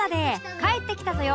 帰ってきたぞよ！